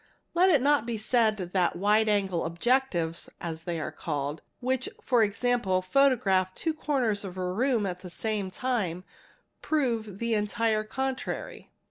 Let it not be said that " wide angle objectives "' as they are called, which for example photograph two corners of a room at the same time, prove the entire contrary.